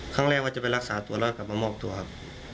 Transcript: ครั้งแรกว่าจะไปรักษาตัวร่อยกลับมามอบตัวครับ